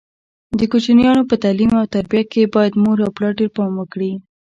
د کوچنیانو په تعلیم او تربیه کې باید پلار او مور ډېر پام وکړي.